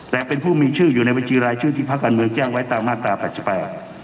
แต่เป็นผู้มีชื่ออยู่ในบัญชีรายชื่อที่ภาคการเมืองแจ้งไว้ตามมาตราแปดสิบแปด